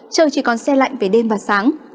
trời chỉ còn xe lạnh về đêm và sáng